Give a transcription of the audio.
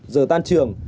giờ tan trời